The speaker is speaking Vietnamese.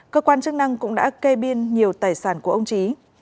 cơ quan chức năng cũng đã kê biên nhiều tài sản của ông trí